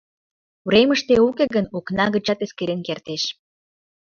Уремыште уке гын, окна гычат эскерен кертеш.